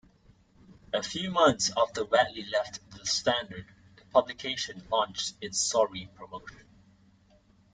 A few months after Wadley left the "Standard", the publication launched its "Sorry" promotion.